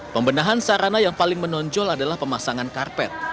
pembenahan sarana yang paling menonjol adalah pemasangan karpet